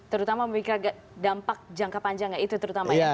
terutama memiliki dampak jangka panjang ya itu terutama ya oke baik